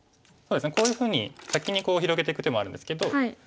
そうですねこういうふうに先に広げていく手もあるんですけど